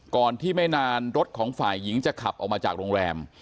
ก่อนที่ไม่นานรถของฝ่ายหญิงจะขับออกมาจากโรงแรม